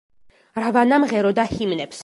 რავანა მღეროდა ჰიმნებს.